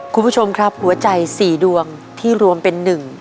คุณผู้ชมครับหัวใจสี่ดวงที่รวมเป็นหนึ่ง